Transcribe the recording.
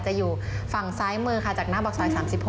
จะอยู่ฝั่งซ้ายมือค่ะจากหน้าบักษร๓๖